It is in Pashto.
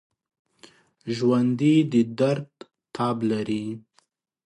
ژوندي د درد تاب لري